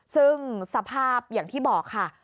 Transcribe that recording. ซึ่งสภาพอย่างที่บอกค่ะ